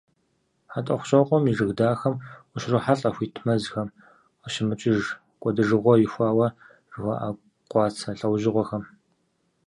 ХьэтӀохъущокъуэм и жыг хадэм ущрохьэлӀэ хуиту мэзхэм къыщымыкӀыж, кӀуэдыжыгъуэ ихуауэ жыхуаӀэ къуацэ лӀэужьыгъуэхэм.